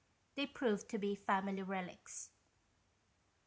They proved to be family relics.